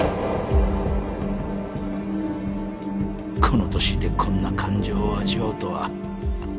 この年でこんな感情を味わうとは